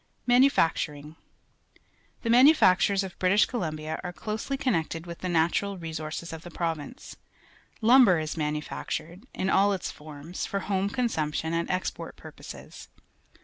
Manufacturing. — The manufactures of British Columbia are closely connected with the natural resources of the province. Lum ber is manufactured, in all its forms, for home consumption and export purpo.ses.